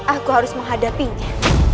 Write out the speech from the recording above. aku harus menghadapinya